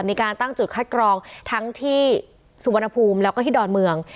มีการตั้งจุดคัดกรองทั้งที่สุวรรณภูมิแล้วก็ที่ดอนเมือง